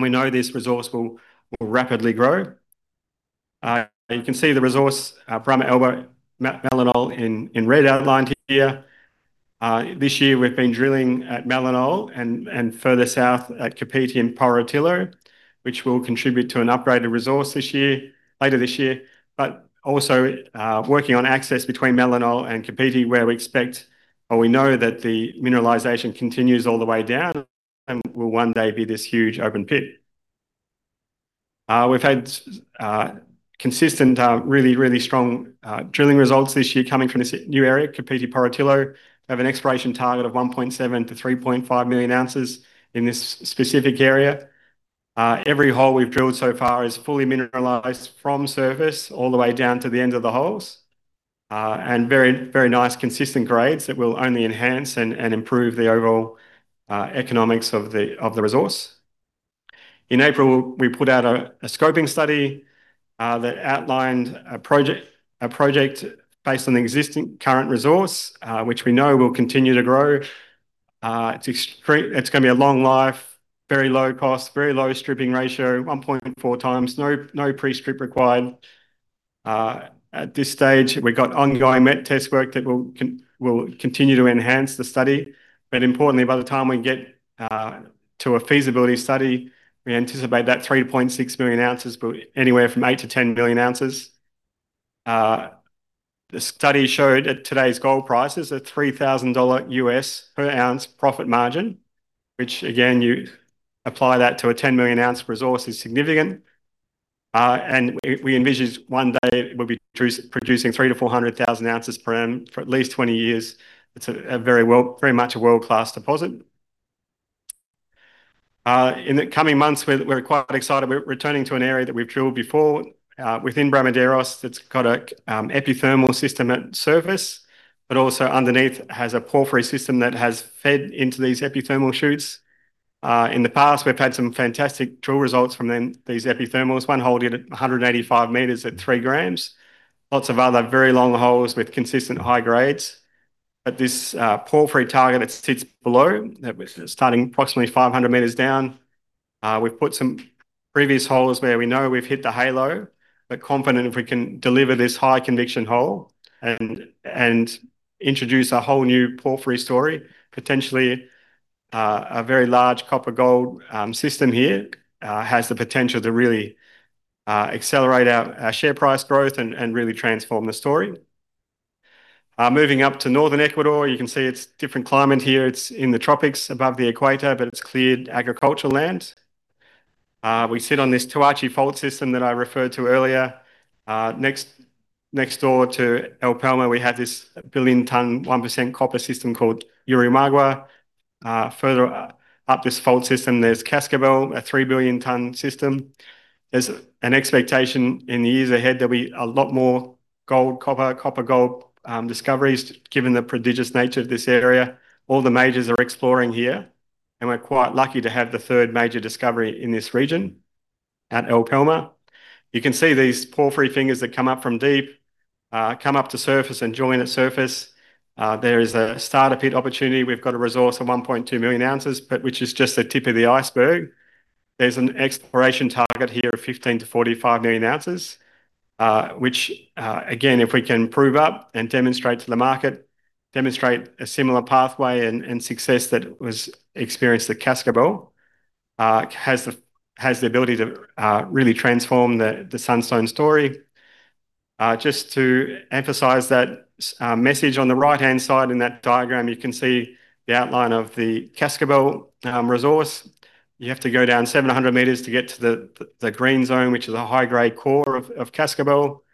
We know this resource will rapidly grow. You can see the resource from Melonal in red outlined here. This year we've been drilling at Melonal and further south at Copete and Porotillo, which will contribute to an upgraded resource later this year, but also, working on access between Melonal and Copete, where we expect, or we know that the mineralization continues all the way down, and will one day be this huge open pit. We've had consistent, really, really strong drilling results this year coming from this new area, Copete Porotillo. We have an exploration target of 1.7 million ounces to 3.5 million ounces in this specific area. Every hole we've drilled so far is fully mineralized from surface all the way down to the end of the holes. Very nice consistent grades that will only enhance and improve the overall economics of the resource. In April, we put out a scoping study that outlined a project based on the existing current resource, which we know will continue to grow. It's going to be a long life, very low cost, very low stripping ratio, 1.4x. No pre-strip required. At this stage, we've got ongoing met test work that will continue to enhance the study, but importantly by the time we get to a feasibility study, we anticipate that 3.6 million ounces, but anywhere from 8 million ounces-10 million ounces. The study showed at today's gold prices a $3,000 per ounce profit margin. Which again, you apply that to a 10-million-ounce resource is significant. We envision one day we'll be producing 300,000 ounces-400,000 ounces per annum for at least 20 years. It's very much a world-class deposit. In the coming months, we're quite excited. We're returning to an area that we've drilled before. Within Bramaderos it's got an epithermal system at surface, but also underneath has a porphyry system that has fed into these epithermal shoots. In the past, we've had some fantastic drill results from these epithermals. One hole hit at 185 m at 3 g. Lots of other very long holes with consistent high grades. But this porphyry target that sits below, that we're starting approximately 500 m down. We've put some previous holes where we know we've hit the halo, but confident if we can deliver this high conviction hole and introduce a whole new porphyry story, potentially, a very large copper gold system here. Has the potential to really accelerate our share price growth and really transform the story. Moving up to Northern Ecuador, you can see it's different climate here. It's in the tropics above the equator, but it's cleared agricultural land. We sit on this Toachi Fault system that I referred to earlier. Next door to El Palmar, we have this billion ton, 1% copper system called Llurimagua. Further up this fault system, there's Cascabel, a 3 billion ton system. There's an expectation in the years ahead there'll be a lot more gold, copper gold discoveries given the prodigious nature of this area. All the majors are exploring here, and we're quite lucky to have the third major discovery in this region at El Palmar. You can see these porphyry fingers that come up from deep, come up to surface and join at surface. There is a starter pit opportunity. We've got a resource of 1.2 million ounces, but which is just the tip of the iceberg. There's an exploration target here of 15 million ounces to 45 million ounces. If we can prove up and demonstrate to the market, demonstrate a similar pathway and success that was experienced at Cascabel, has the ability to really transform the Sunstone story. Just to emphasize that message on the right-hand side in that diagram, you can see the outline of the Cascabel resource. You have to go down 700 meters to get to the green zone, which is a high-grade core of Cascabel,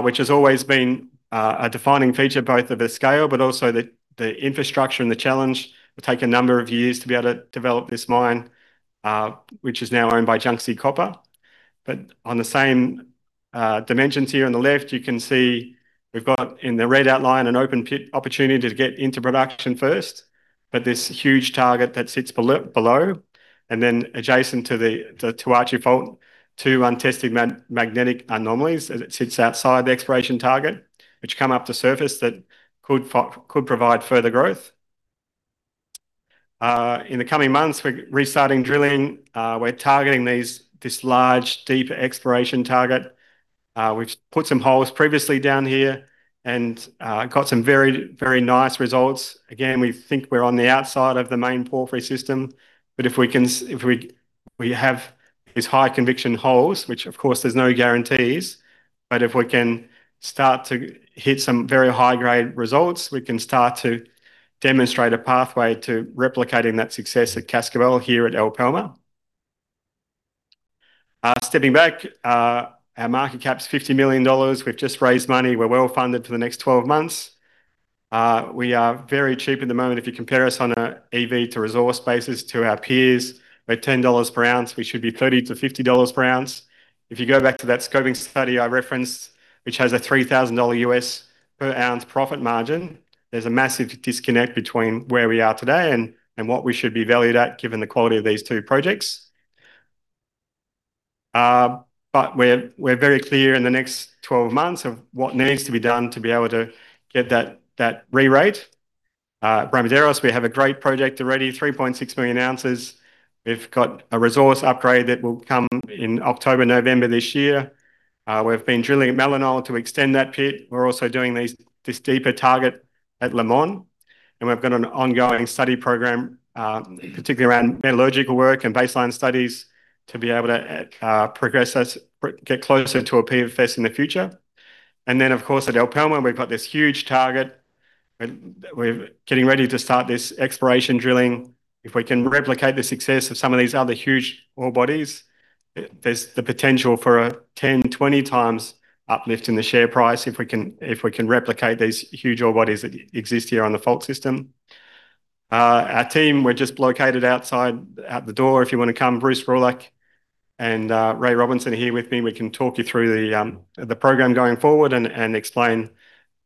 which has always been a defining feature both of the scale but also the infrastructure and the challenge. It will take a number of years to be able to develop this mine, which is now owned by Zijin Copper. On the same dimensions here on the left, you can see we have got in the red outline an open pit opportunity to get into production first, but this huge target that sits below. Adjacent to the Toachi Fault, two untested magnetic anomalies as it sits outside the exploration target, which come up to surface that could provide further growth. In the coming months, we are restarting drilling. We are targeting this large, deeper exploration target. We have put some holes previously down here and got some very nice results. Again, we think we are on the outside of the main porphyry system, if we have these high conviction holes, which of course there is no guarantees. If we can start to hit some very high-grade results, we can start to demonstrate a pathway to replicating that success at Cascabel here at El Palmar. Stepping back, our market cap is 50 million dollars. We have just raised money. We are well-funded for the next 12 months. We are very cheap at the moment if you compare us on an EV to resource basis to our peers. We are 10 dollars per ounce. We should be 30-50 dollars per ounce. If you go back to that scoping study I referenced, which has a $3,000 per ounce profit margin, there is a massive disconnect between where we are today and what we should be valued at given the quality of these two projects. We are very clear in the next 12 months of what needs to be done to be able to get that re-rate. Bramaderos, we have a great project already, 3.6 million ounces. We have got a resource upgrade that will come in October, November this year. We have been drilling at Melonal to extend that pit. We are also doing this deeper target at Limon, and we have got an ongoing study program, particularly around metallurgical work and baseline studies, to be able to progress us, get closer to a PFS in the future. Of course, at El Palmar, we have got this huge target. We are getting ready to start this exploration drilling. If we can replicate the success of some of these other huge ore bodies, there is the potential for a 10, 20 times uplift in the share price if we can replicate these huge ore bodies that exist here on the fault system. Our team, we are just located outside, out the door if you want to come. Bruce Rohrlach and Ray Robinson are here with me. We can talk you through the program going forward and explain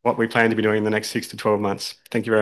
what we plan to be doing in the next 6-12 months. Thank you very much.